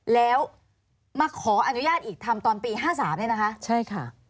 แล้วมาขออนุญาตอีกทำตอนปี๕๓เนี่ยนะคะใช่ค่ะ